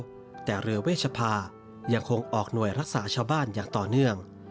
อาจจะไม่ได้แล้วแต่เรือเวชภายังคงออกหน่วยรักษาชาวบ้านอย่างต่อเนื่อง